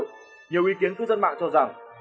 nhiều ý kiến cư dân mạng cho rằng